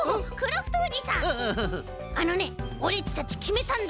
あのねオレっちたちきめたんだ。